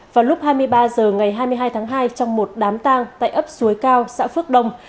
vào lúc hai mươi ba h ngày hai mươi hai tháng hai trong một đám tang tại ấp suối cao xã phước đông